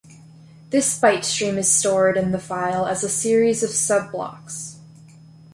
This byte stream is stored in the file as a series of "sub-blocks".